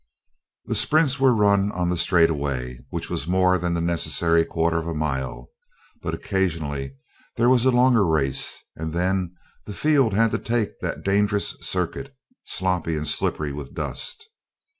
The sprints were run on the straightaway which was more than the necessary quarter of a mile but occasionally there was a longer race and then the field had to take that dangerous circuit, sloppy and slippery with dust.